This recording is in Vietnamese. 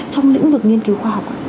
trong lĩnh vực nghiên cứu khoa học ạ